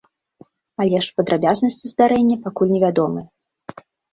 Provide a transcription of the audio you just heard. Але ж падрабязнасці здарэння пакуль невядомыя.